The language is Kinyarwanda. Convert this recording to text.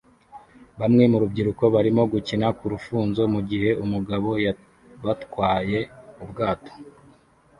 Bamwe mu rubyiruko barimo gukina ku rufunzo mu gihe umugabo yabatwaye ubwato